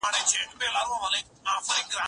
زه به سبزیجات جمع کړي وي!.